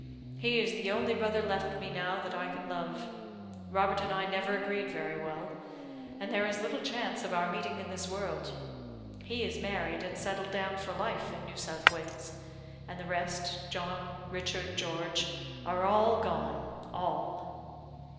he is the only brother left me now that I can love. Robert and I never agreed very well, and there is little chance of our meeting in this world. He is married, and settled down for life in New South Wales; and the rest John, Richard, George, are all gone all!"